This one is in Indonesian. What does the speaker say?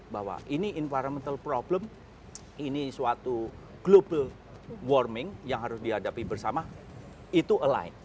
bahwa ini environmental problem ini suatu global warming yang harus dihadapi bersama itu align